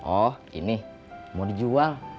oh ini mau dijual